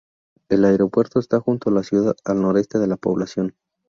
El aeropuerto esta junto a la ciudad, al noreste de la población.